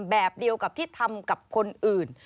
แบบเดียวกับที่ทำกับคนอื่น